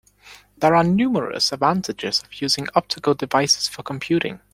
There are numerous advantages of using optical devices for computing.